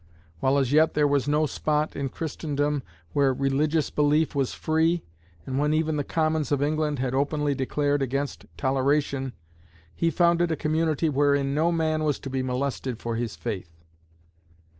While as yet there was no spot in Christendom where religious belief was free, and when even the Commons of England had openly declared against toleration, he founded a community wherein no man was to be molested for his faith.